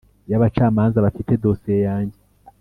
y abacamanza bafite dosiye yanjye